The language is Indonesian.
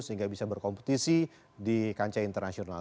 sehingga bisa berkompetisi di kancah internasional